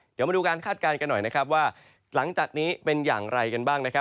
เดี๋ยวมาดูการคาดการณ์กันหน่อยนะครับว่าหลังจากนี้เป็นอย่างไรกันบ้างนะครับ